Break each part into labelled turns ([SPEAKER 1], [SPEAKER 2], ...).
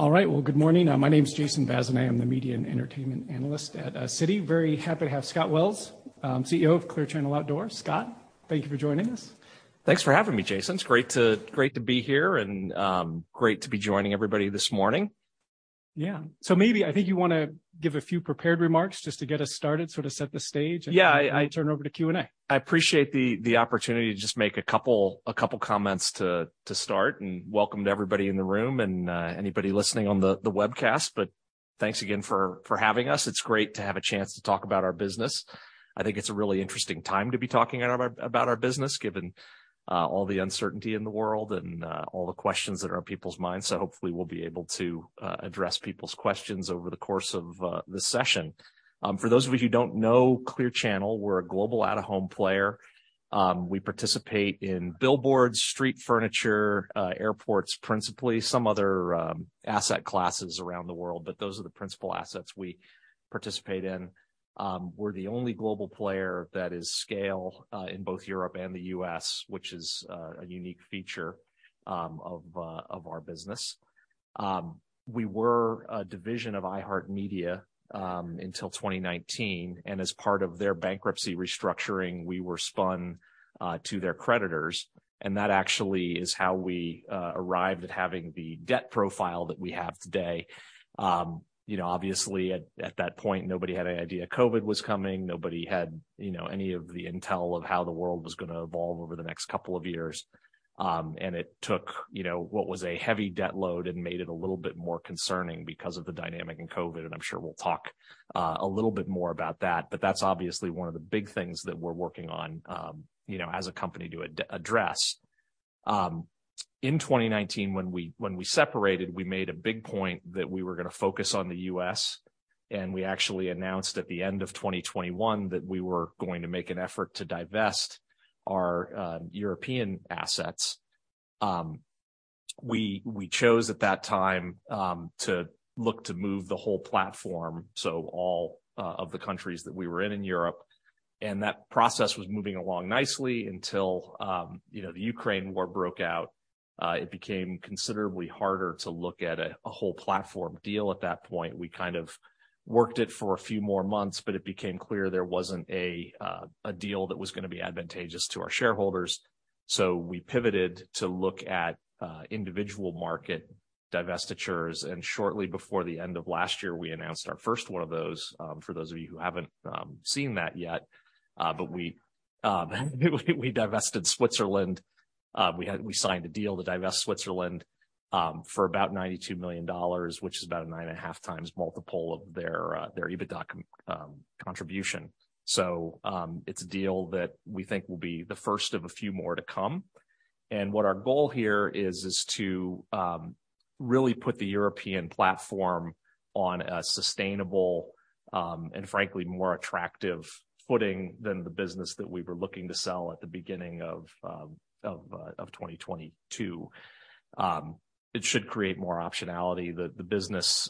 [SPEAKER 1] All right. Well, good morning. My name is Jason Bazinet. I'm the media and entertainment analyst at Citi. Very happy to have Scott Wells, CEO of Clear Channel Outdoor. Scott, thank you for joining us.
[SPEAKER 2] Thanks for having me, Jason. It's great to be here and, great to be joining everybody this morning.
[SPEAKER 1] Yeah. maybe I think you wanna give a few prepared remarks just to get us started, sort of set the stage.
[SPEAKER 2] Yeah.
[SPEAKER 1] We can turn over to Q&A.
[SPEAKER 2] I appreciate the opportunity to just make a couple of comments to start, and welcome to everybody in the room and anybody listening on the webcast. Thanks again for having us. It's great to have a chance to talk about our business.I think it's a really interesting time to be talking about our business, given all the uncertainty in the world and all the questions that are on people's minds. Hopefully we'll be able to address people's questions over the course of this session. For those of you who don't know Clear Channel, we're a global out-of-home player. We participate in billboards, street furniture, airports principally, some other asset classes around the world, but those are the principal assets we participate in. We're the only global player that is scale in both Europe and the U.S., which is a unique feature of our business. We were a division of iHeartMedia until 2019, and as part of their bankruptcy restructuring, we were spun to their creditors. That actually is how we arrived at having the debt profile that we have today. You know, obviously at that point, nobody had any idea COVID was coming. Nobody had, you know, any of the intel of how the world was gonna evolve over the next couple of years. It took, you know, what was a heavy debt load and made it a little bit more concerning because of the dynamic in COVID, and I'm sure we'll talk a little bit more about that. That's obviously one of the big things that we're working on, you know, as a company to address. In 2019 when we separated, we made a big point that we were gonna focus on the U.S., and we actually announced at the end of 2021 that we were going to make an effort to divest our European assets. We chose at that time to look to move the whole platform, so all of the countries that we were in Europe. That process was moving along nicely until, you know, the Ukraine war broke out. It became considerably harder to look at a whole platform deal at that point. We kind of worked it for a few more months, but it became clear there wasn't a deal that was gonna be advantageous to our shareholders. We pivoted to look at individual market divestitures, and shortly before the end of last year, we announced our first one of those, for those of you who haven't seen that yet. We divested Switzerland. We signed a deal to divest Switzerland for about $92 million, which is about a 9.5x multiple of their EBITDA contribution. It's a deal that we think will be the first of a few more to come. What our goal here is to really put the European platform on a sustainable and frankly, more attractive footing than the business that we were looking to sell at the beginning of 2022. It should create more optionality. The business,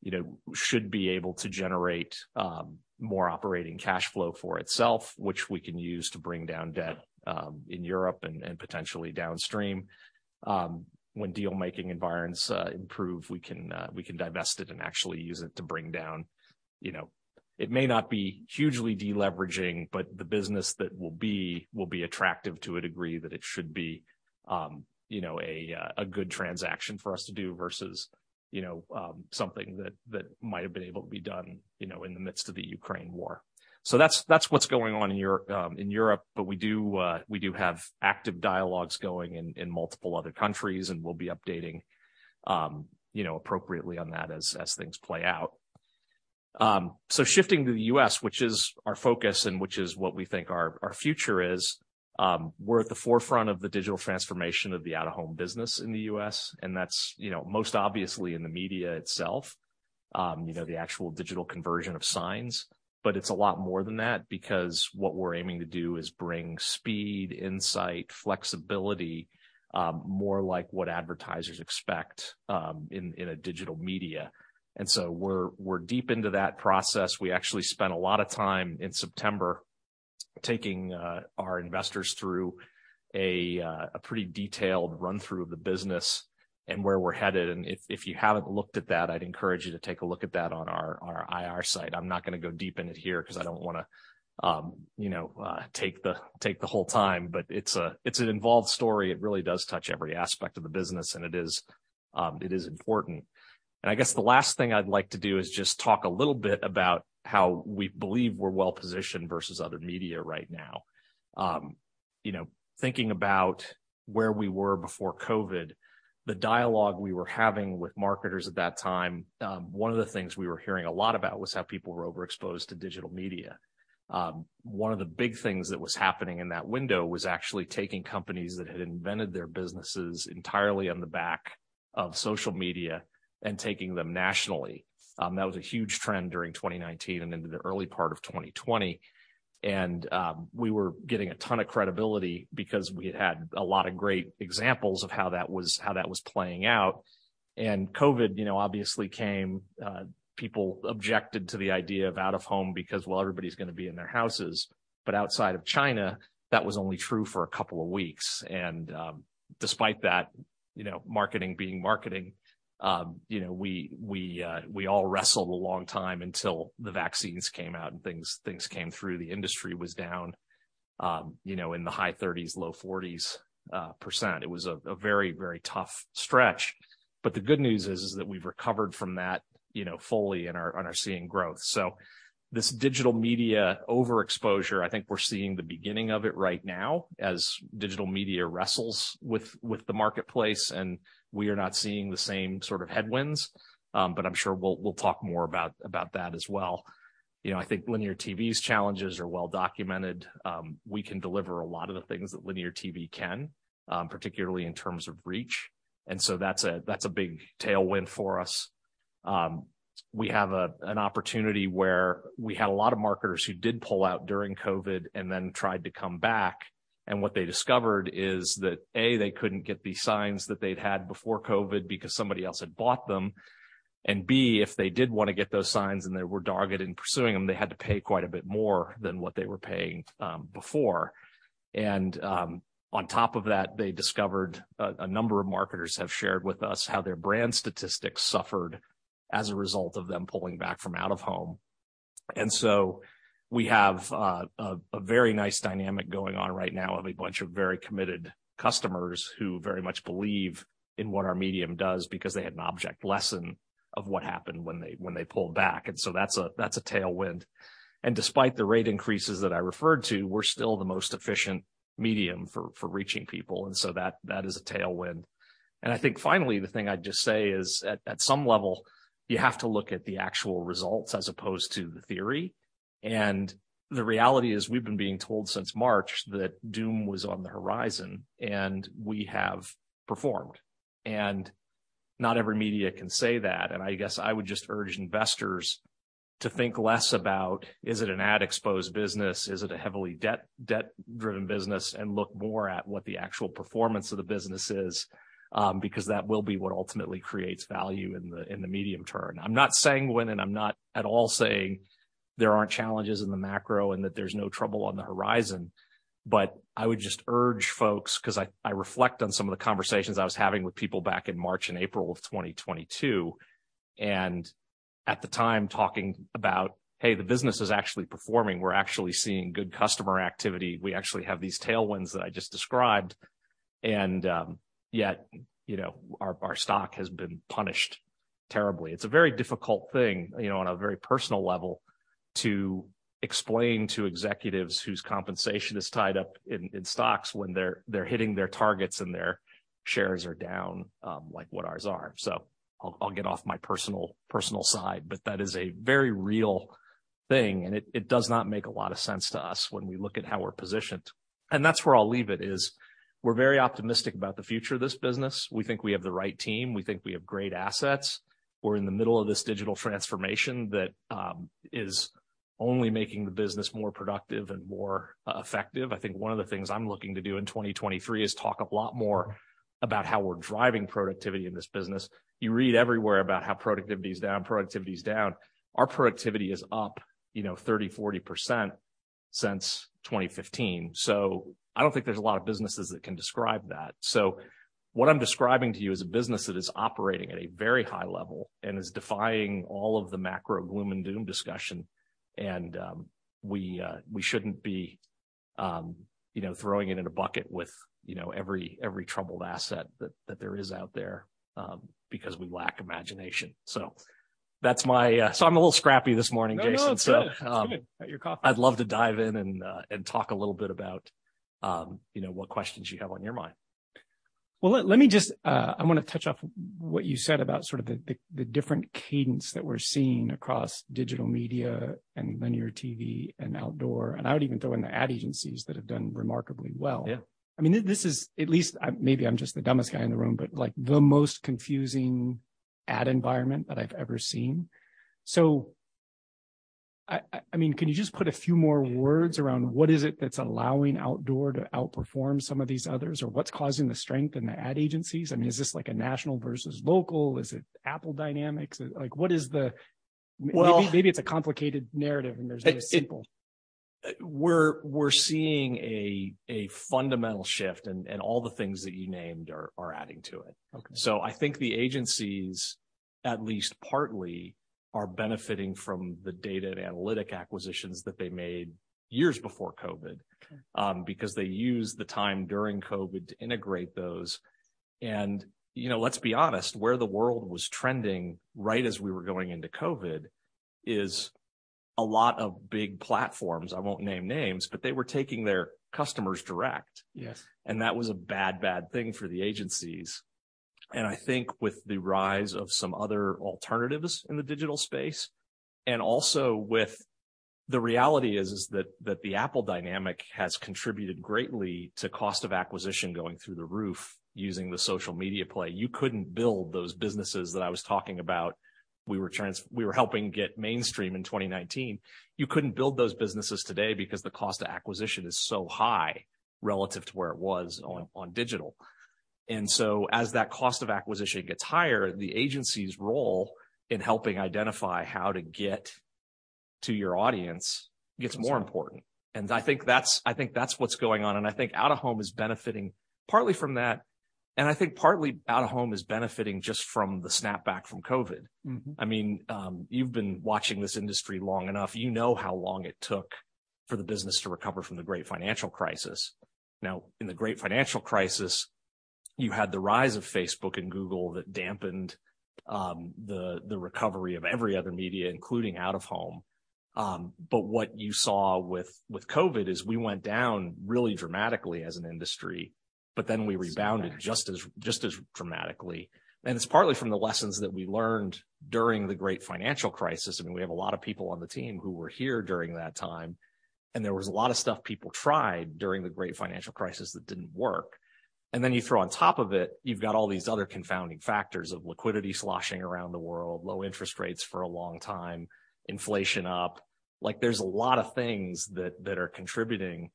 [SPEAKER 2] you know, should be able to generate more operating cash flow for itself, which we can use to bring down debt in Europe and potentially downstream. When deal-making environments improve, we can divest it and actually use it to bring down. You know, it may not be hugely deleveraging, but the business that will be attractive to a degree that it should be, you know, a good transaction for us to do versus, you know, something that might have been able to be done, you know, in the midst of the Ukraine war. That's what's going on in Europe, but we do have active dialogues going in multiple other countries, and we'll be updating, you know, appropriately on that as things play out. Shifting to the U.S., which is our focus and which is what we think our future is, we're at the forefront of the digital transformation of the out-of-home business in the U.S., and that's, you know, most obviously in the media itself, you know, the actual digital conversion of signs. It's a lot more than that because what we're aiming to do is bring speed, insight, flexibility, more like what advertisers expect in a digital media. We're deep into that process. We actually spent a lot of time in September taking our investors through a pretty detailed run-through of the business and where we're headed. If you haven't looked at that, I'd encourage you to take a look at that on our IR site. I'm not gonna go deep in it here because I don't wanna, you know, take the whole time. It's an involved story. It really does touch every aspect of the business, and it is important. I guess the last thing I'd like to do is just talk a little bit about how we believe we're well-positioned versus other media right now. You know, thinking about where we were before COVID, the dialogue we were having with marketers at that time, one of the things we were hearing a lot about was how people were overexposed to digital media. One of the big things that was happening in that window was actually taking companies that had invented their businesses entirely on the back of social media and taking them nationally. That was a huge trend during 2019 and into the early part of 2020. We were getting a ton of credibility because we had had a lot of great examples of how that was, how that was playing out. COVID, you know, obviously came. People objected to the idea of out-of-home because, well, everybody's gonna be in their houses. But outside of China, that was only true for a couple of weeks. Despite that, you know, marketing being marketing, you know, we all wrestled a long time until the vaccines came out and things came through. The industry was down, you know, in the high 30s, low 40s %. It was a very, very tough stretch. The good news is that we've recovered from that, you know, fully and are seeing growth. This digital media overexposure, I think we're seeing the beginning of it right now as digital media wrestles with the marketplace, and we are not seeing the same sort of headwinds. I'm sure we'll talk more about that as well. You know, I think linear TV's challenges are well documented. We can deliver a lot of the things that linear TV can, particularly in terms of reach, and so that's a big tailwind for us. We have an opportunity where we had a lot of marketers who did pull out during COVID and then tried to come back, what they discovered is that, A, they couldn't get the signs that they'd had before COVID because somebody else had bought them, B, if they did wanna get those signs and they were dogged in pursuing them, they had to pay quite a bit more than what they were paying before. On top of that, they discovered a number of marketers have shared with us how their brand statistics suffered as a result of them pulling back from out of home. We have a very nice dynamic going on right now of a bunch of very committed customers who very much believe in what our medium does because they had an object lesson of what happened when they pulled back. That's a tailwind. Despite the rate increases that I referred to, we're still the most efficient medium for reaching people, and so that is a tailwind. I think finally, the thing I'd just say is at some level, you have to look at the actual results as opposed to the theory. The reality is we've been being told since March that doom was on the horizon, and we have performed. Not every media can say that. I guess I would just urge investors to think less about, is it an ad-exposed business? Is it a heavily debt-driven business? Look more at what the actual performance of the business is, because that will be what ultimately creates value in the, in the medium term. I'm not sanguine, and I'm not at all saying there aren't challenges in the macro and that there's no trouble on the horizon. I would just urge folks, 'cause I reflect on some of the conversations I was having with people back in March and April of 2022, and at the time talking about, "Hey, the business is actually performing. We're actually seeing good customer activity. We actually have these tailwinds that I just described." Yet, you know, our stock has been punished terribly. It's a very difficult thing, you know, on a very personal level to explain to executives whose compensation is tied up in stocks when they're hitting their targets and their shares are down, like what ours are. I'll get off my personal side, but that is a very real thing, and it does not make a lot of sense to us when we look at how we're positioned. That's where I'll leave it is we're very optimistic about the future of this business. We think we have the right team. We think we have great assets. We're in the middle of this digital transformation that is only making the business more productive and more effective. I think one of the things I'm looking to do in 2023 is talk a lot more about how we're driving productivity in this business. You read everywhere about how productivity is down, productivity is down. Our productivity is up, you know, 30%-40% since 2015. I don't think there's a lot of businesses that can describe that. What I'm describing to you is a business that is operating at a very high level and is defying all of the macro gloom and doom discussion. We shouldn't be, you know, throwing it in a bucket with, you know, every troubled asset that there is out there, because we lack imagination. That's my. I'm a little scrappy this morning, Jason.
[SPEAKER 1] No, no, it's good. It's good. Got your coffee.
[SPEAKER 2] I'd love to dive in and talk a little bit about, you know, what questions you have on your mind.
[SPEAKER 1] Well, let me just, I wanna touch off what you said about sort of the different cadence that we're seeing across digital media and linear TV and outdoor. I would even throw in the ad agencies that have done remarkably well.
[SPEAKER 2] Yeah.
[SPEAKER 1] I mean, this is at least, I'm maybe I'm just the dumbest guy in the room, but, like, the most confusing ad environment that I've ever seen. I mean, can you just put a few more words around what is it that's allowing outdoor to outperform some of these others? Or what's causing the strength in the ad agencies? I mean, is this like a national versus local? Is it Apple dynamics? Like, what is the-?
[SPEAKER 2] Well-
[SPEAKER 1] Maybe it's a complicated narrative, and there's no simple.
[SPEAKER 2] We're seeing a fundamental shift, and all the things that you named are adding to it.
[SPEAKER 1] Okay.
[SPEAKER 2] I think the agencies, at least partly, are benefiting from the data and analytic acquisitions that they made years before COVID.
[SPEAKER 1] Okay.
[SPEAKER 2] Because they used the time during COVID to integrate those. You know, let's be honest, where the world was trending right as we were going into COVID is a lot of big platforms, I won't name names, but they were taking their customers direct.
[SPEAKER 1] Yes.
[SPEAKER 2] That was a bad thing for the agencies. I think with the rise of some other alternatives in the digital space, and also with the reality is that the Apple dynamic has contributed greatly to cost of acquisition going through the roof using the social media play. You couldn't build those businesses that I was talking about we were helping get mainstream in 2019. You couldn't build those businesses today because the cost of acquisition is so high relative to where it was on digital. So as that cost of acquisition gets higher, the agency's role in helping identify how to get to your audience gets more important. I think that's what's going on. I think out-of-home is benefiting partly from that, and I think partly out-of-home is benefiting just from the snapback from COVID.
[SPEAKER 1] Mm-hmm.
[SPEAKER 2] I mean, you've been watching this industry long enough. You know how long it took for the business to recover from the Great Financial Crisis. What you saw with COVID is we went down really dramatically as an industry, but then we rebounded just as dramatically. It's partly from the lessons that we learned during the Great Financial Crisis. I mean, we have a lot of people on the team who were here during that time, and there was a lot of stuff people tried during the Great Financial Crisis that didn't work. You throw on top of it, you've got all these other confounding factors of liquidity sloshing around the world, low interest rates for a long time, inflation up. Like, there's a lot of things that are contributing.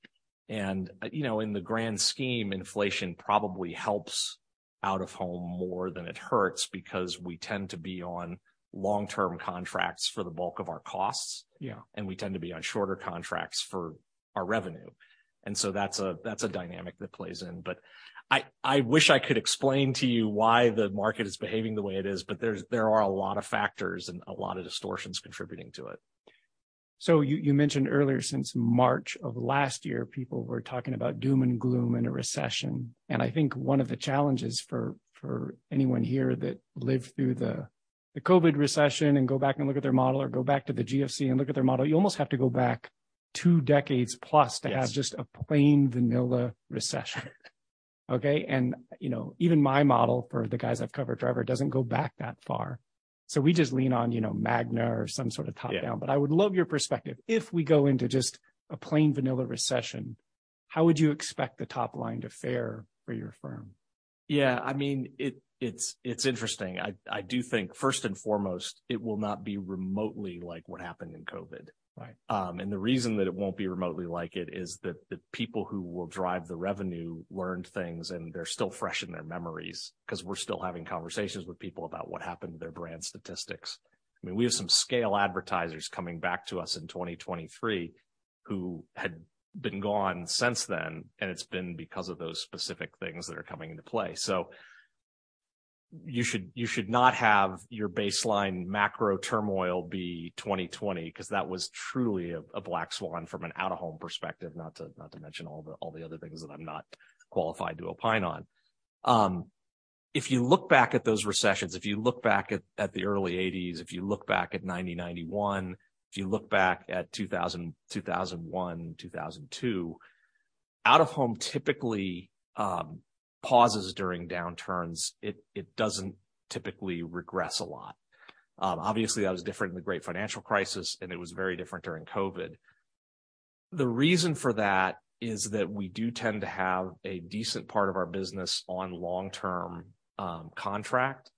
[SPEAKER 2] You know, in the grand scheme, inflation probably helps out-of-home more than it hurts because we tend to be on long-term contracts for the bulk of our costs.
[SPEAKER 1] Yeah.
[SPEAKER 2] We tend to be on shorter contracts for our revenue. That's a dynamic that plays in. I wish I could explain to you why the market is behaving the way it is, but there are a lot of factors and a lot of distortions contributing to it.
[SPEAKER 1] You mentioned earlier since March of last year, people were talking about doom and gloom and a recession. I think one of the challenges for anyone here that lived through the COVID recession and go back and look at their model or go back to the GFC and look at their model, you almost have to go back two decades plus.
[SPEAKER 2] Yes
[SPEAKER 1] to have just a plain vanilla recession. Okay? You know, even my model for the guys I've covered forever doesn't go back that far. We just lean on, you know, Magna or some sort of top-down.
[SPEAKER 2] Yeah.
[SPEAKER 1] I would love your perspective. If we go into just a plain vanilla recession, how would you expect the top line to fare for your firm?
[SPEAKER 2] Yeah, I mean, it's interesting. I do think first and foremost, it will not be remotely like what happened in COVID.
[SPEAKER 1] Right.
[SPEAKER 2] The reason that it won't be remotely like it is that the people who will drive the revenue learned things, and they're still fresh in their memories 'cause we're still having conversations with people about what happened to their brand statistics. I mean, we have some scale advertisers coming back to us in 2023 who had been gone since then, and it's been because of those specific things that are coming into play. You should not have your baseline macro turmoil be 2020 'cause that was truly a black swan from an out-of-home perspective, not to, not to mention all the, all the other things that I'm not qualified to opine on. If you look back at those recessions, if you look back at the early eighties, if you look back at 1990-1991, if you look back at 2000, 2001, 2002, out-of-home typically pauses during downturns. It doesn't typically regress a lot. Obviously that was different in the Great Financial Crisis, and it was very different during COVID. The reason for that is that we do tend to have a decent part of our business on long-term contract,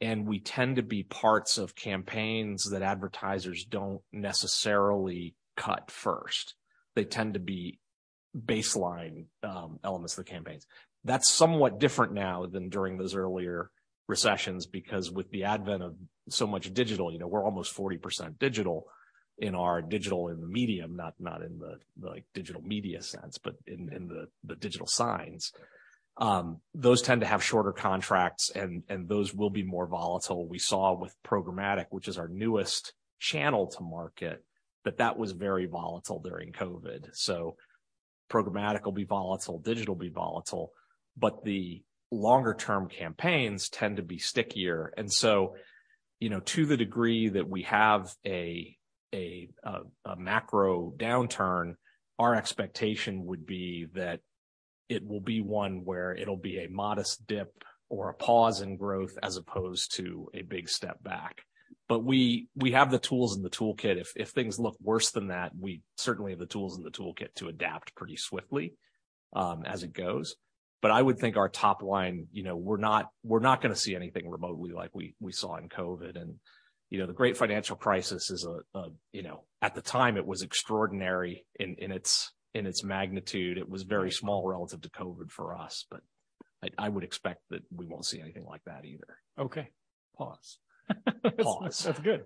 [SPEAKER 2] and we tend to be parts of campaigns that advertisers don't necessarily cut first. They tend to be baseline elements of the campaigns. That's somewhat different now than during those earlier recessions because with the advent of so much digital, you know, we're almost 40% digital in our digital in the medium, not in the, like, digital media sense, but in the digital signs. Those tend to have shorter contracts and those will be more volatile. We saw with programmatic, which is our newest channel to market, that was very volatile during COVID. Programmatic will be volatile. Digital will be volatile. The longer-term campaigns tend to be stickier. You know, to the degree that we have a macro downturn, our expectation would be that it will be one where it'll be a modest dip or a pause in growth as opposed to a big step back. We have the tools in the toolkit. If things look worse than that, we certainly have the tools in the toolkit to adapt pretty swiftly as it goes. I would think our top line, you know, we're not gonna see anything remotely like we saw in COVID. You know, the great financial crisis is a, you know. At the time, it was extraordinary in its magnitude. It was very small relative to COVID for us. I would expect that we won't see anything like that either.
[SPEAKER 1] Okay. Pause.
[SPEAKER 2] Pause.
[SPEAKER 1] That's good.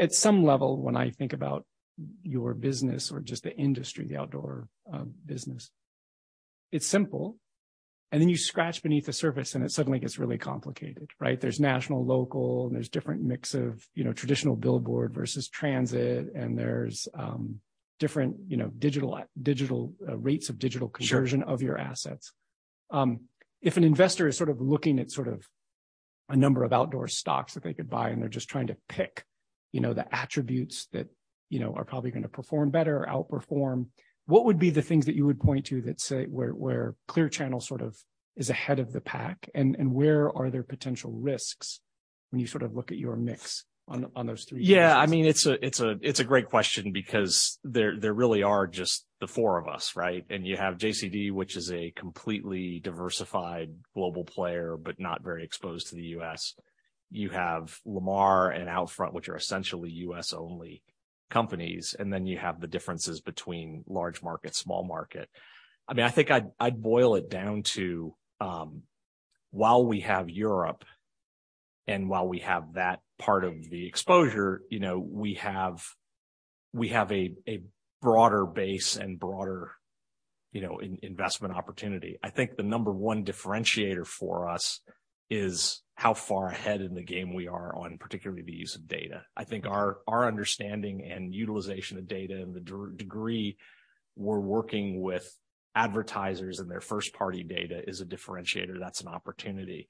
[SPEAKER 1] At some level, when I think about your business or just the industry, the outdoor business, it's simple, and then you scratch beneath the surface, and it suddenly gets really complicated, right? There's national, local, and there's different mix of, you know, traditional billboard versus transit, and there's different, you know, digital rates of digital conversion.
[SPEAKER 2] Sure
[SPEAKER 1] of your assets. If an investor is sort of looking at sort of a number of outdoor stocks that they could buy, and they're just trying to pick, you know, the attributes that, you know, are probably gonna perform better or outperform, what would be the things that you would point to that say where Clear Channel sort of is ahead of the pack? Where are there potential risks when you sort of look at your mix on those three things?
[SPEAKER 2] Yeah, I mean, it's a great question because there really are just the four of us, right? You have JCD, which is a completely diversified global player but not very exposed to the U.S. You have Lamar and Outfront, which are essentially U.S. only companies, and then you have the differences between large market, small market. I mean, I think I'd boil it down to, while we have Europe and while we have that part of the exposure, you know, we have a broader base and broader, you know, in-investment opportunity. I think the number one differentiator for us is how far ahead in the game we are on particularly the use of data. I think our understanding and utilization of data and the degree we're working with advertisers and their first-party data is a differentiator that's an opportunity.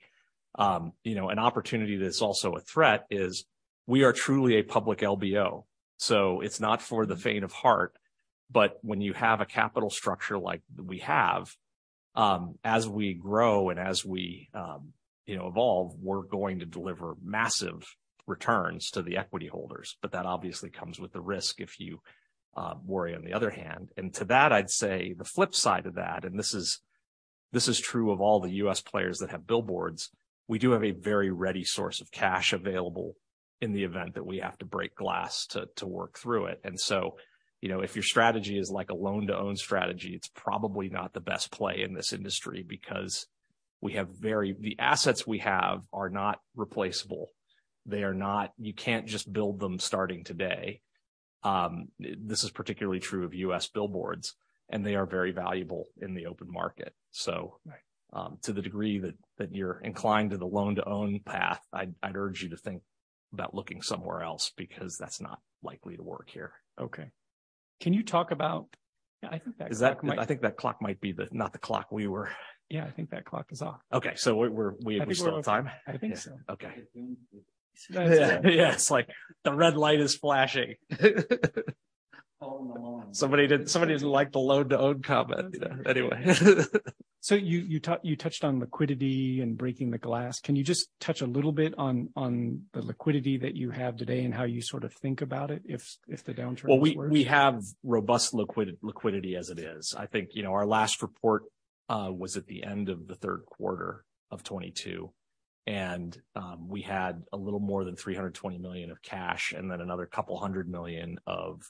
[SPEAKER 2] You know, an opportunity that's also a threat is we are truly a public LBO, so it's not for the faint of heart. When you have a capital structure like we have, as we grow and as we, you know, evolve, we're going to deliver massive returns to the equity holders. That obviously comes with the risk if you worry on the other hand. To that, I'd say the flip side of that, and this is, this is true of all the U.S. players that have billboards, we do have a very ready source of cash available in the event that we have to break glass to work through it. So, you know, if your strategy is like a loan-to-own strategy, it's probably not the best play in this industry because the assets we have are not replaceable. You can't just build them starting today. This is particularly true of U.S. billboards, and they are very valuable in the open market. To the degree that you're inclined to the loan-to-own path, I'd urge you to think about looking somewhere else because that's not likely to work here.
[SPEAKER 1] Okay. Can you talk about. Yeah, I think that clock might-
[SPEAKER 2] I think that clock might be the, not the clock we were.
[SPEAKER 1] Yeah, I think that clock is off.
[SPEAKER 2] Okay. We're we still have time?
[SPEAKER 1] I think so.
[SPEAKER 2] Okay.
[SPEAKER 3] I think.
[SPEAKER 2] Yeah. It's like the red light is flashing.
[SPEAKER 3] All along.
[SPEAKER 2] Somebody didn't like the loan-to-own comment, you know. Anyway.
[SPEAKER 1] You touched on liquidity and breaking the glass. Can you just touch a little bit on the liquidity that you have today and how you sort of think about it if the downturn gets worse?
[SPEAKER 2] We have robust liquidity as it is. I think, you know, our last report was at the end of the third quarter of 2022, we had a little more than $320 million of cash, then another $200 million of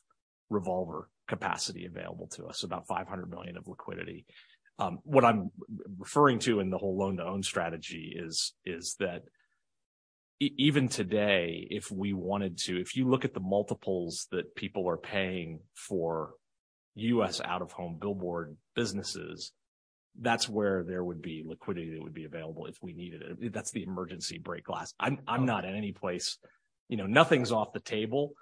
[SPEAKER 2] revolver capacity available to us, about $500 million of liquidity. What I'm referring to in the whole loan-to-own strategy is that even today, if we wanted to, if you look at the multiples that people are paying for U.S. out-of-home billboard businesses, that's where there would be liquidity that would be available if we needed it. That's the emergency break glass. I'm not in any place. You know, nothing's off the table,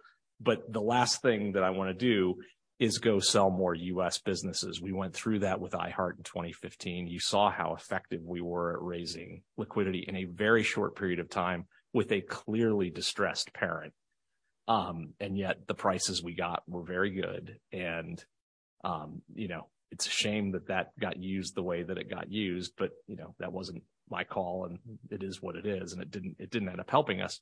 [SPEAKER 2] the last thing that I wanna do is go sell more U.S. businesses. We went through that with iHeart in 2015. You saw how effective we were at raising liquidity in a very short period of time with a clearly distressed parent. Yet the prices we got were very good and, you know, it's a shame that that got used the way that it got used. You know, that wasn't my call, and it is what it is. It didn't end up helping us.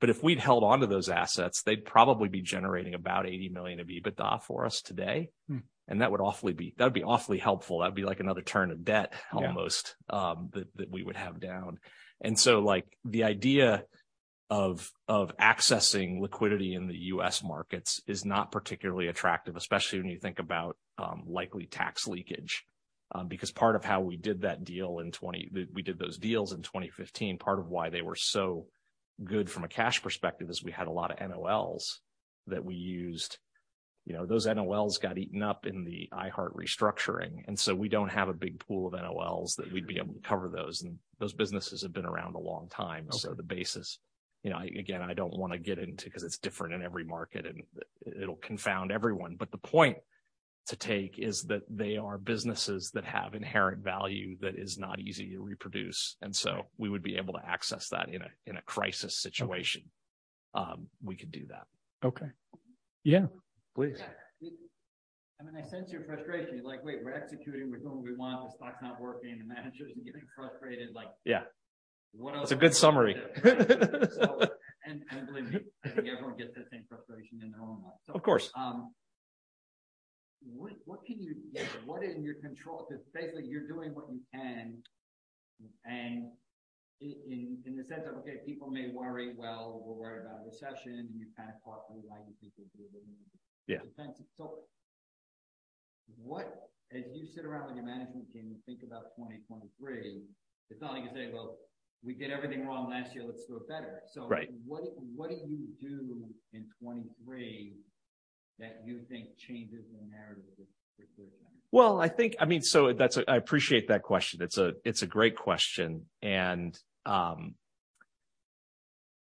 [SPEAKER 2] If we'd held onto those assets, they'd probably be generating about $80 million of EBITDA for us today.
[SPEAKER 1] Hmm.
[SPEAKER 2] That would be awfully helpful. That'd be like another turn of debt.
[SPEAKER 1] Yeah.
[SPEAKER 2] almost, that we would have down. Like, the idea of accessing liquidity in the US markets is not particularly attractive, especially when you think about, likely tax leakage. Part of how we did those deals in 2015, part of why they were so good from a cash perspective is we had a lot of NOLs that we used. You know, those NOLs got eaten up in the iHeart restructuring, and so we don't have a big pool of NOLs that we'd be able to cover those. Those businesses have been around a long time.
[SPEAKER 1] Okay.
[SPEAKER 2] The basis, you know, again, I don't wanna get into 'cause it's different in every market, and it'll confound everyone. The point to take is that they are businesses that have inherent value that is not easy to reproduce.
[SPEAKER 1] Right.
[SPEAKER 2] we would be able to access that in a, in a crisis situation. We could do that.
[SPEAKER 1] Okay. Yeah.
[SPEAKER 2] Please.
[SPEAKER 3] Yeah. I mean, I sense your frustration. You're like, "Wait, we're executing. We're doing what we want. The stock's not working." The manager's getting frustrated, like.
[SPEAKER 2] Yeah.
[SPEAKER 3] What else.
[SPEAKER 2] It's a good summary.
[SPEAKER 3] Believe me, I think everyone gets that same frustration in their own life.
[SPEAKER 2] Of course.
[SPEAKER 3] What is in your control? 'Cause basically you're doing what you can and in the sense of, okay, people may worry, well, we're worried about a recession, and you've kind of talked through why you think you'll be able to.
[SPEAKER 2] Yeah.
[SPEAKER 3] defensive. As you sit around with your management team and think about 2023, it's not like you say, "Well, we did everything wrong last year. Let's do it better.
[SPEAKER 1] Right.
[SPEAKER 3] what do you do in 2023 that you think changes the narrative with
[SPEAKER 2] I appreciate that question. It's a great question.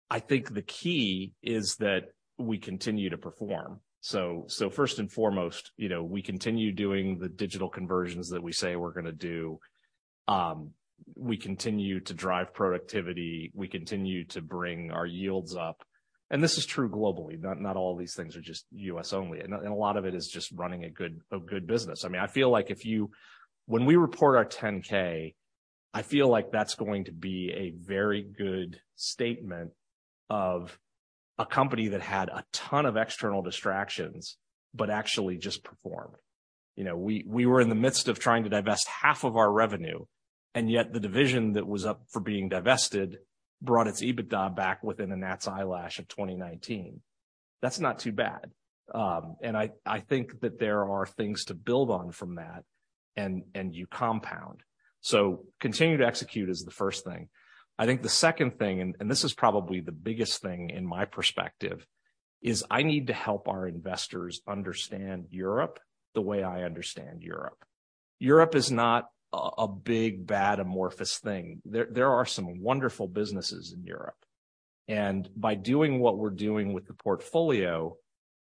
[SPEAKER 2] I think the key is that we continue to perform. First and foremost, you know, we continue doing the digital conversions that we say we're gonna do. We continue to drive productivity. We continue to bring our yields up. This is true globally, not all of these things are just U.S. only. A lot of it is just running a good business. I mean, I feel like when we report our 10-K, I feel like that's going to be a very good statement of a company that had a ton of external distractions, but actually just performed. You know, we were in the midst of trying to divest half of our revenue, and yet the division that was up for being divested brought its EBITDA back within a gnat's eyelash of 2019. That's not too bad. I think that there are things to build on from that, and you compound. Continue to execute is the first thing. I think the second thing, and this is probably the biggest thing in my perspective, is I need to help our investors understand Europe the way I understand Europe. Europe is not a big, bad, amorphous thing. There are some wonderful businesses in Europe. By doing what we're doing with the portfolio,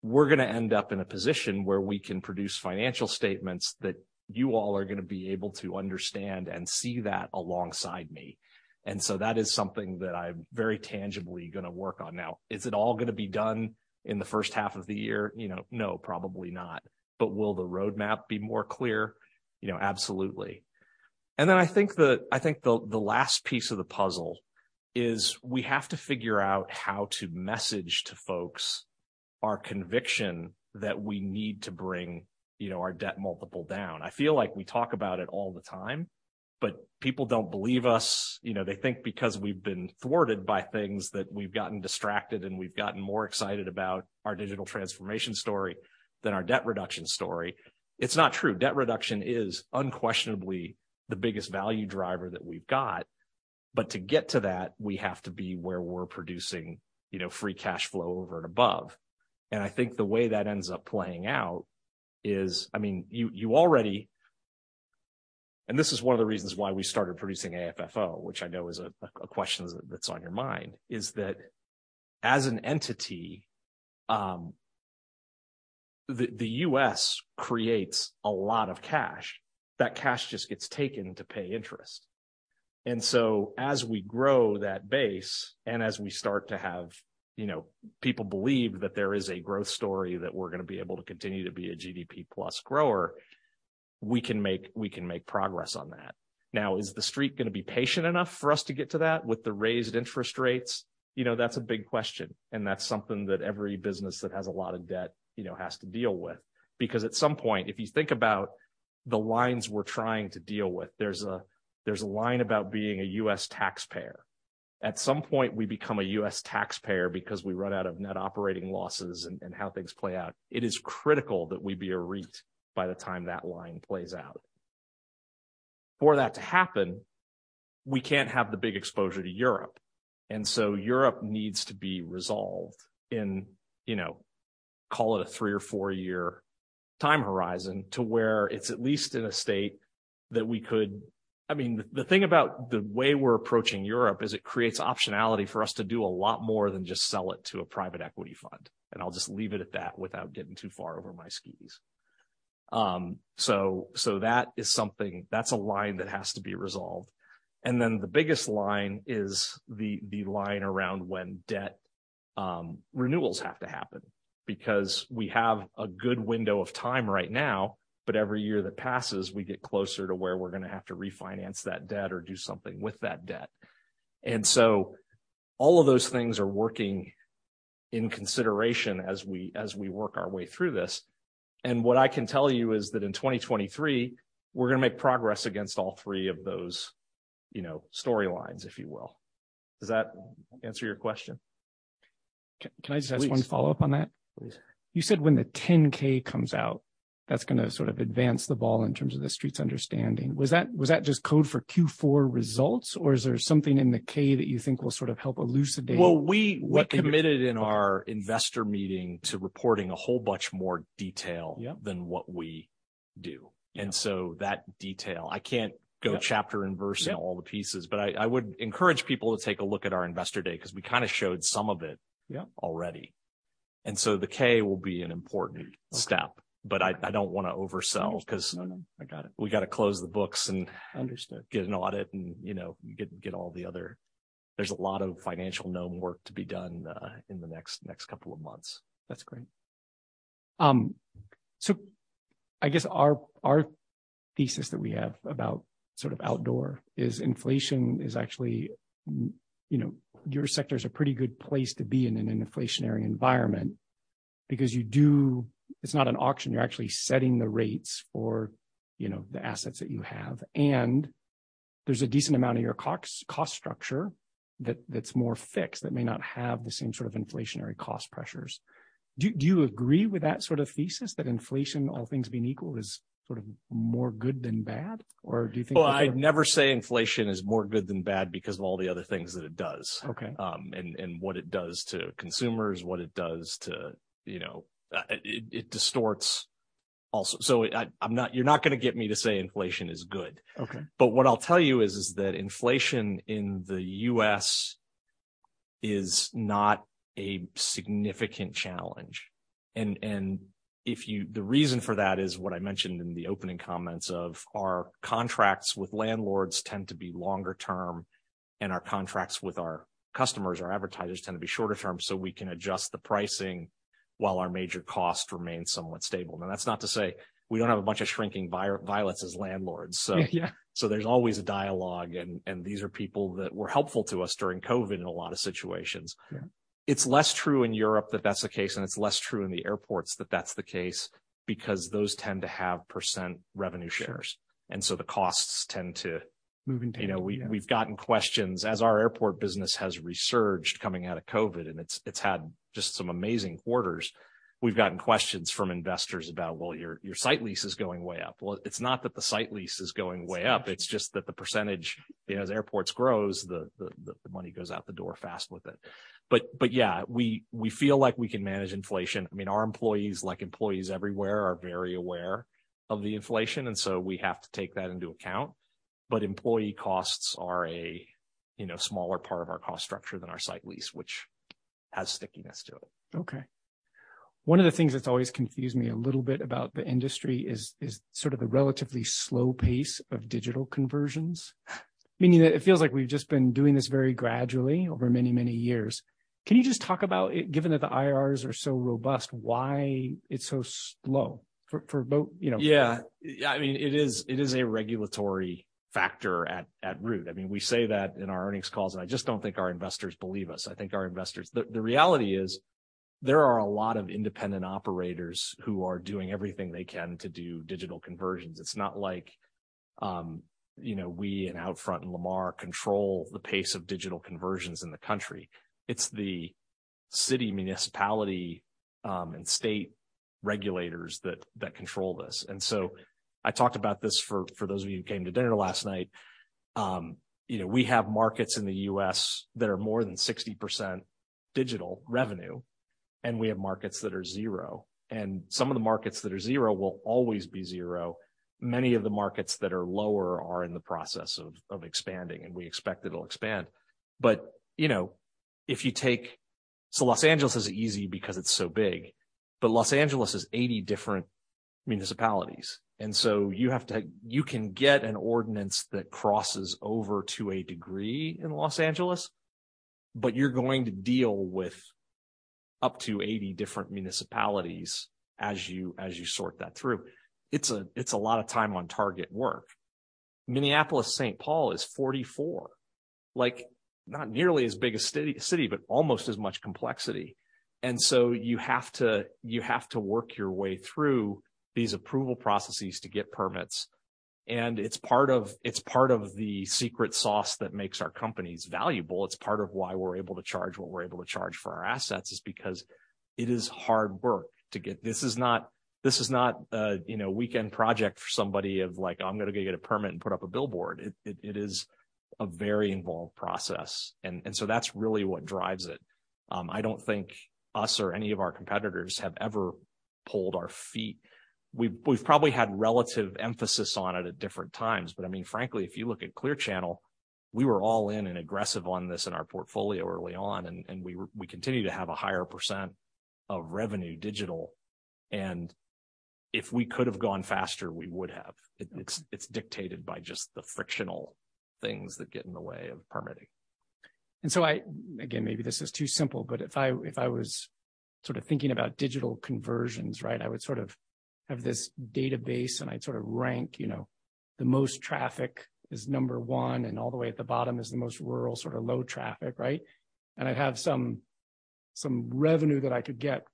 [SPEAKER 2] we're gonna end up in a position where we can produce financial statements that you all are gonna be able to understand and see that alongside me. That is something that I'm very tangibly gonna work on now. Is it all gonna be done in the first half of the year? You know, no, probably not. Will the roadmap be more clear? You know, absolutely. I think the last piece of the puzzle is we have to figure out how to message to folks our conviction that we need to bring, you know, our debt multiple down. I feel like we talk about it all the time, but people don't believe us. You know, they think because we've been thwarted by things that we've gotten distracted, and we've gotten more excited about our digital transformation story than our debt reduction story. It's not true. Debt reduction is unquestionably the biggest value driver that we've got. To get to that, we have to be where we're producing, you know, free cash flow over and above. I think the way that ends up playing out is. I mean, you already. This is one of the reasons why we started producing AFFO, which I know is a question that's on your mind, is that as an entity, the U.S. creates a lot of cash. That cash just gets taken to pay interest. As we grow that base, and as we start to have, you know, people believe that there is a growth story, that we're gonna be able to continue to be a GDP plus grower, we can make progress on that. Is the Street gonna be patient enough for us to get to that with the raised interest rates? You know, that's a big question, and that's something that every business that has a lot of debt, you know, has to deal with. At some point, if you think about the lines we're trying to deal with, there's a line about being a U.S. taxpayer. At some point, we become a U.S. taxpayer because we run out of Net Operating Losses and how things play out. It is critical that we be a REIT by the time that line plays out. For that to happen, we can't have the big exposure to Europe. Europe needs to be resolved in, you know, call it a three or four-year time horizon to where it's at least in a state that we could. I mean, the thing about the way we're approaching Europe is it creates optionality for us to do a lot more than just sell it to a private equity fund. I'll just leave it at that without getting too far over my skis. So that is something. That's a line that has to be resolved. The biggest line is the line around when debt renewals have to happen. We have a good window of time right now, but every year that passes, we get closer to where we're gonna have to refinance that debt or do something with that debt. All of those things are working in consideration as we work our way through this. What I can tell you is that in 2023, we're going to make progress against all three of those, you know, storylines, if you will. Does that answer your question?
[SPEAKER 1] Can I just ask one follow-up on that?
[SPEAKER 2] Please.
[SPEAKER 1] You said when the 10-K comes out, that's gonna sort of advance the ball in terms of the Street's understanding. Was that just code for Q4 results, or is there something in the K that you think will sort of help elucidate?
[SPEAKER 2] Well, we committed in our investor meeting to reporting a whole bunch more detail-.
[SPEAKER 1] Yeah.
[SPEAKER 2] than what we do.
[SPEAKER 1] Yeah.
[SPEAKER 2] That detail, I can't go chapter and verse in all the pieces. I would encourage people to take a look at our Investor Day, 'cause we kind of showed some of it.
[SPEAKER 1] Yeah
[SPEAKER 2] already. The K will be an important step, but I don't wanna oversell.
[SPEAKER 1] No, no, I got it..
[SPEAKER 2] we gotta close the books.
[SPEAKER 1] Understood.
[SPEAKER 2] get an audit and, you know, get all the other. There's a lot of financial gnome work to be done, in the next couple of months.
[SPEAKER 1] That's great. I guess our thesis that we have about sort of outdoor is inflation is actually, you know, your sector's a pretty good place to be in in an inflationary environment because It's not an auction. You're actually setting the rates for, you know, the assets that you have. There's a decent amount of your cost structure that's more fixed, that may not have the same sort of inflationary cost pressures. Do you agree with that sort of thesis, that inflation, all things being equal, is sort of more good than bad?
[SPEAKER 2] Well, I'd never say inflation is more good than bad because of all the other things that it does.
[SPEAKER 1] Okay.
[SPEAKER 2] What it does to consumers, what it does to, you know, it distorts also. You're not gonna get me to say inflation is good.
[SPEAKER 1] Okay.
[SPEAKER 2] What I'll tell you is that inflation in the U.S. is not a significant challenge. The reason for that is what I mentioned in the opening comments of our contracts with landlords tend to be longer term, and our contracts with our customers, our advertisers, tend to be shorter term. We can adjust the pricing, while our major costs remain somewhat stable. That's not to say we don't have a bunch of shrinking violets as landlords.
[SPEAKER 1] Yeah.
[SPEAKER 2] there's always a dialogue, and these are people that were helpful to us during COVID in a lot of situations.
[SPEAKER 1] Yeah.
[SPEAKER 2] It's less true in Europe that that's the case, and it's less true in the airports that that's the case because those tend to have percent revenue shares.
[SPEAKER 1] Sure.
[SPEAKER 2] And so the costs tend to
[SPEAKER 1] Move.
[SPEAKER 2] You know, we've gotten questions as our airport business has resurged coming out of COVID, and it's had just some amazing quarters. We've gotten questions from investors about, "Well, your site lease is going way up." Well, it's not that the site lease is going way up. It's just that the percentage, you know, as airports grows, the money goes out the door fast with it. Yeah, we feel like we can manage inflation. I mean, our employees, like employees everywhere, are very aware of the inflation, and so we have to take that into account. Employee costs are a, you know, smaller part of our cost structure than our site lease, which has stickiness to it.
[SPEAKER 1] Okay. One of the things that's always confused me a little bit about the industry is sort of the relatively slow pace of digital conversions. Meaning that it feels like we've just been doing this very gradually over many, many years. Can you just talk about, given that the IRRs are so robust, why it's so slow for both, you know?
[SPEAKER 2] Yeah. I mean, it is a regulatory factor at root. I mean, we say that in our earnings calls, and I just don't think our investors believe us. I think our investors. The reality is there are a lot of independent operators who are doing everything they can to do digital conversions. It's not like, you know, we and Outfront and Lamar control the pace of digital conversions in the country. It's the city, municipality, and state regulators that control this. I talked about this for those of you who came to dinner last night. You know, we have markets in the U.S. that are more than 60% digital revenue, and we have markets that are zero. Some of the markets that are zero will always be zero. Many of the markets that are lower are in the process of expanding, and we expect it'll expand. You know, if you take Los Angeles is easy because it's so big, but Los Angeles has 80 different municipalities. You have to. You can get an ordinance that crosses over to a degree in Los Angeles, but you're going to deal with up to 80 different municipalities as you sort that through. It's a lot of time on target work. Minneapolis-Saint Paul is 44. Not nearly as big a city, but almost as much complexity. You have to work your way through these approval processes to get permits. It's part of the secret sauce that makes our companies valuable. It's part of why we're able to charge what we're able to charge for our assets, is because it is hard work to get. This is not a, you know, weekend project for somebody of like, "I'm gonna go get a permit and put up a billboard." It is a very involved process. So that's really what drives it. I don't think us or any of our competitors have ever pulled our feet. We've probably had relative emphasis on it at different times. I mean, frankly, if you look at Clear Channel, we were all in and aggressive on this in our portfolio early on, we continue to have a higher percent of revenue digital. If we could have gone faster, we would have. It's dictated by just the frictional things that get in the way of permitting.
[SPEAKER 1] Again, maybe this is too simple, but if I was sort of thinking about digital conversions, right? I would sort of have this database, and I'd sort of rank, you know, the most traffic is number one, and all the way at the bottom is the most rural, sort of low traffic, right? I'd have some revenue that I could get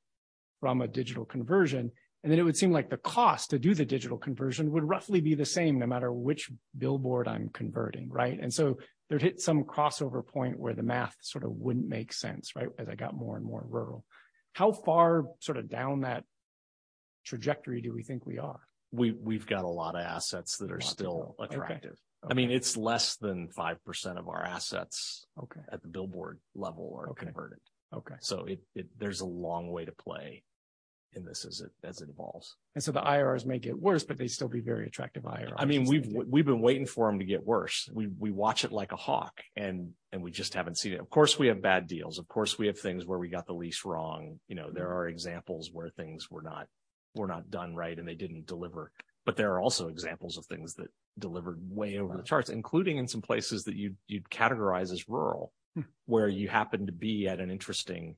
[SPEAKER 1] from a digital conversion, and then it would seem like the cost to do the digital conversion would roughly be the same no matter which billboard I'm converting, right? There'd hit some crossover point where the math sort of wouldn't make sense, right? As I got more and more rural. How far sort of down that trajectory do we think we are?
[SPEAKER 2] We've got a lot of assets that are still attractive.
[SPEAKER 1] Okay.
[SPEAKER 2] I mean, it's less than 5% of our assets.
[SPEAKER 1] Okay.
[SPEAKER 2] at the billboard level are converted.
[SPEAKER 1] Okay.
[SPEAKER 2] There's a long way to play in this as it evolves.
[SPEAKER 1] The IRRs may get worse, but they'd still be very attractive IRRs.
[SPEAKER 2] I mean, we've been waiting for them to get worse. We watch it like a hawk. We just haven't seen it. Of course, we have bad deals. Of course, we have things where we got the lease wrong. You know, there are examples where things were not done right, and they didn't deliver. There are also examples of things that delivered way over the charts, including in some places that you'd categorize as rural-
[SPEAKER 1] Hmm..
[SPEAKER 2] where you happen to be at an interesting.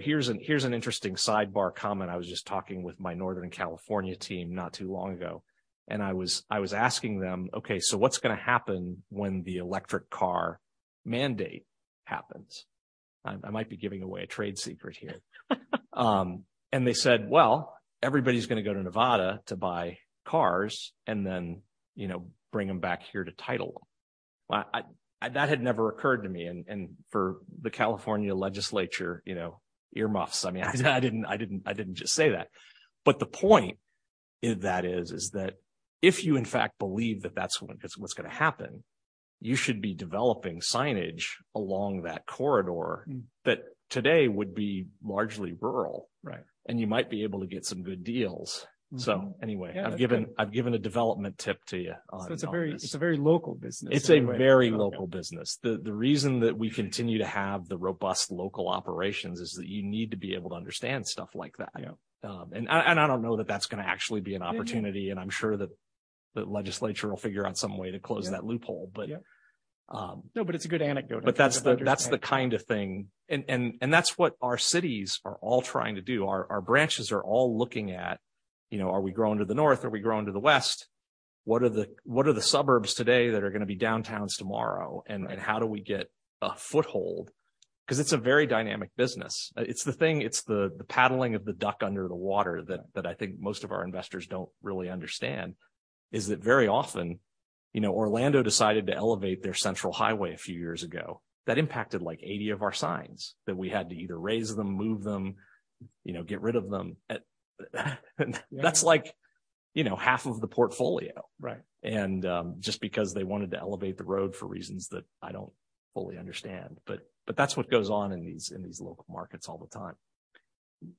[SPEAKER 2] Here's an interesting sidebar comment. I was just talking with my Northern California team not too long ago, and I was asking them, "Okay, so what's gonna happen when the electric car mandate happens?" I might be giving away a trade secret here. They said, "Well, everybody's gonna go to Nevada to buy cars and then, you know, bring them back here to title them." Well, that had never occurred to me. For the California Legislature, you know, earmuffs. I mean, I didn't just say that. The point of that is that if you in fact believe that that's what's gonna happen, you should be developing signage along that corridor.
[SPEAKER 1] Hmm.
[SPEAKER 2] that today would be largely rural.
[SPEAKER 1] Right.
[SPEAKER 2] You might be able to get some good deals.
[SPEAKER 1] Mm-hmm.
[SPEAKER 2] Anyway.
[SPEAKER 1] Yeah
[SPEAKER 2] I've given a development tip to you on this.
[SPEAKER 1] it's a very local business.
[SPEAKER 2] It's a very local business. The reason that we continue to have the robust local operations is that you need to be able to understand stuff like that.
[SPEAKER 1] Yeah.
[SPEAKER 2] I don't know that that's gonna actually be an opportunity.
[SPEAKER 1] Mm-hmm.
[SPEAKER 2] I'm sure the Legislature will figure out some way to close that loophole.
[SPEAKER 1] Yeah.
[SPEAKER 2] But, um-
[SPEAKER 1] No, but it's a good anecdote.
[SPEAKER 2] That's the kind of thing. That's what our cities are all trying to do. Our branches are all looking at, you know, are we growing to the north? Are we growing to the west? What are the suburbs today that are gonna be downtowns tomorrow?
[SPEAKER 1] Right.
[SPEAKER 2] How do we get a foothold? 'Cause it's a very dynamic business. It's the thing, it's the paddling of the duck under the water.
[SPEAKER 1] Right.
[SPEAKER 2] that I think most of our investors don't really understand is that very often. You know, Orlando decided to elevate their central highway a few years ago. That impacted like 80 of our signs, that we had to either raise them, move them, you know, get rid of them.
[SPEAKER 1] Yeah.
[SPEAKER 2] That's like, you know, half of the portfolio.
[SPEAKER 1] Right.
[SPEAKER 2] just because they wanted to elevate the road for reasons that I don't fully understand. That's what goes on in these local markets all the time.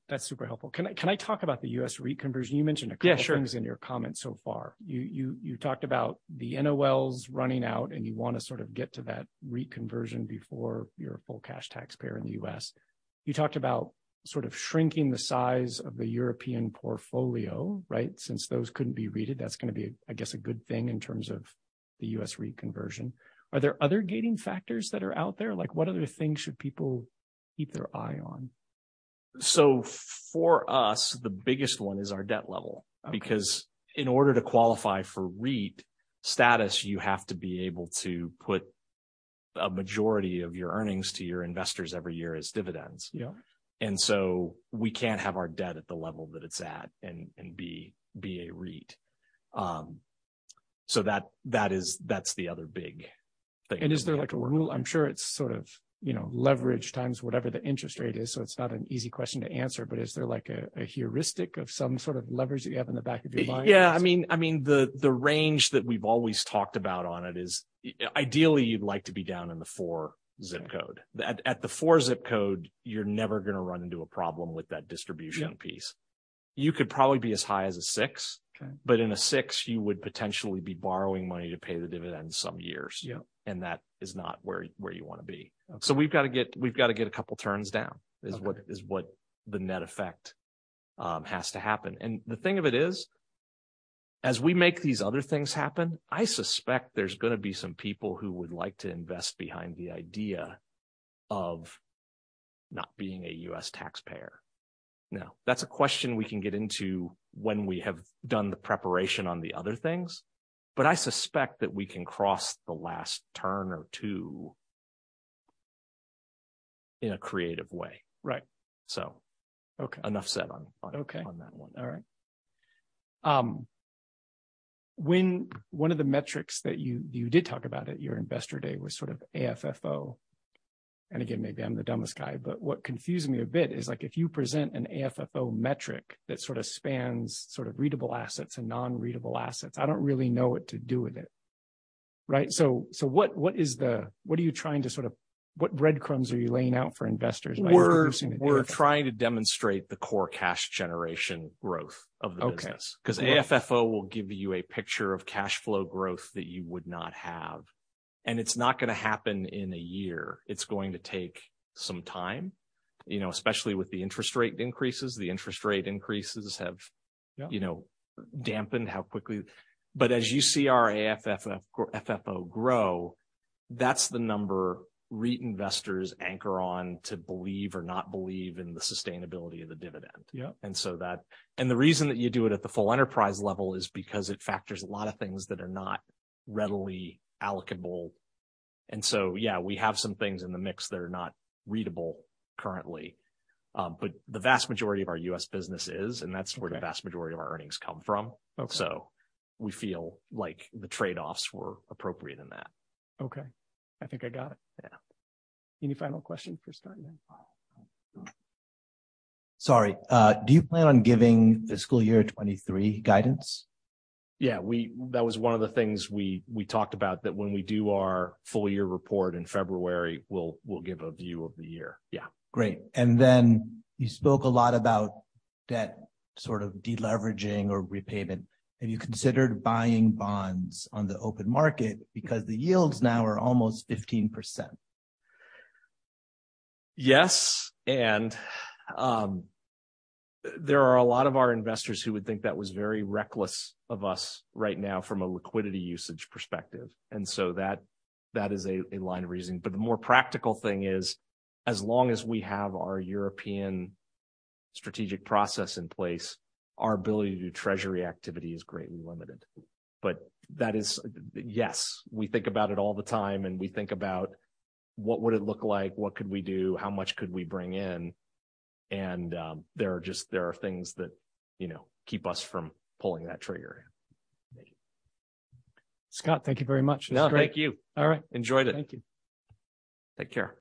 [SPEAKER 1] That's super helpful. Can I talk about the U.S. REIT conversion? You mentioned a couple.
[SPEAKER 2] Yeah, sure..
[SPEAKER 1] of things in your comments so far. You talked about the NOLs running out, and you wanna sort of get to that REIT conversion before you're a full cash taxpayer in the U.S. You talked about sort of shrinking the size of the European portfolio, right? Since those couldn't be REITed. That's gonna be, I guess, a good thing in terms of the U.S. REIT conversion. Are there other gating factors that are out there? Like, what other things should people keep their eye on?
[SPEAKER 2] For us, the biggest one is our debt level.
[SPEAKER 1] Okay.
[SPEAKER 2] In order to qualify for REIT status, you have to be able to put a majority of your earnings to your investors every year as dividends.
[SPEAKER 1] Yeah.
[SPEAKER 2] We can't have our debt at the level that it's at and be a REIT. That's the other big thing.
[SPEAKER 1] Is there like a rule? I'm sure it's sort of, you know, leverage times whatever the interest rate is, so it's not an easy question to answer. Is there like a heuristic of some sort of leverage that you have in the back of your mind?
[SPEAKER 2] Yeah. I mean, the range that we've always talked about on it is ideally you'd like to be down in the four zip code. At the four zip code, you're never gonna run into a problem with that distribution piece.
[SPEAKER 1] Yeah.
[SPEAKER 2] You could probably be as high as a six.
[SPEAKER 1] Okay.
[SPEAKER 2] In a 6, you would potentially be borrowing money to pay the dividends some years.
[SPEAKER 1] Yeah.
[SPEAKER 2] That is not where you wanna be.
[SPEAKER 1] Okay.
[SPEAKER 2] we've gotta get a couple turns.
[SPEAKER 1] Okay.
[SPEAKER 2] is what the net effect has to happen. The thing of it is, as we make these other things happen, I suspect there's gonna be some people who would like to invest behind the idea of not being a U.S. taxpayer. That's a question we can get into when we have done the preparation on the other things. I suspect that we can cross the last turn or two in a creative way.
[SPEAKER 1] Right.
[SPEAKER 2] So.
[SPEAKER 1] Okay.
[SPEAKER 2] Enough said on.
[SPEAKER 1] Okay
[SPEAKER 2] on that one.
[SPEAKER 1] All right. When one of the metrics that you did talk about at your investor day was sort of AFFO. Again, maybe I'm the dumbest guy, but what confused me a bit is like if you present an AFFO metric that sort of spans sort of readable assets and non-readable assets, I don't really know what to do with it, right? What are you trying to sort of what breadcrumbs are you laying out for investors by introducing it to them?
[SPEAKER 2] We're trying to demonstrate the core cash generation growth of the business.
[SPEAKER 1] Okay. Yeah.
[SPEAKER 2] 'Cause AFFO will give you a picture of cash flow growth that you would not have. It's not gonna happen in a year. It's going to take some time. You know, especially with the interest rate increases. The interest rate increases.
[SPEAKER 1] Yeah..
[SPEAKER 2] you know, dampened how quickly. As you see our FFO grow, that's the number REIT investors anchor on to believe or not believe in the sustainability of the dividend.
[SPEAKER 1] Yep.
[SPEAKER 2] The reason that you do it at the full enterprise level is because it factors a lot of things that are not readily allocable. Yeah, we have some things in the mix that are not readable currently. The vast majority of our U.S. business is.
[SPEAKER 1] Okay.
[SPEAKER 2] where the vast majority of our earnings come from.
[SPEAKER 1] Okay.
[SPEAKER 2] We feel like the trade-offs were appropriate in that.
[SPEAKER 1] I think I got it.
[SPEAKER 2] Yeah.
[SPEAKER 1] Any final question for Scott then?
[SPEAKER 3] Sorry. Do you plan on giving fiscal year 23 guidance?
[SPEAKER 2] Yeah. That was one of the things we talked about, that when we do our full year report in February, we'll give a view of the year. Yeah.
[SPEAKER 3] Great. You spoke a lot about debt sort of de-leveraging or repayment. Have you considered buying bonds on the open market? Because the yields now are almost 15%.
[SPEAKER 2] Yes, there are a lot of our investors who would think that was very reckless of us right now from a liquidity usage perspective. That is a line of reasoning. The more practical thing is, as long as we have our European strategic process in place, our ability to do treasury activity is greatly limited. That is, yes, we think about it all the time, and we think about what would it look like, what could we do, how much could we bring in, and there are just things that, you know, keep us from pulling that trigger.
[SPEAKER 3] Thank you.
[SPEAKER 1] Scott, thank you very much. It was great.
[SPEAKER 2] No, thank you.
[SPEAKER 1] All right.
[SPEAKER 2] Enjoyed it.
[SPEAKER 1] Thank you.
[SPEAKER 2] Take care.